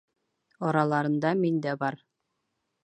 Араларында мин дә бар.